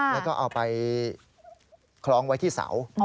แล้วก็เอาไปคล้องไว้ที่เสา